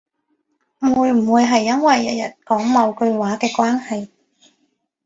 會唔會係因為日日講某句話嘅關係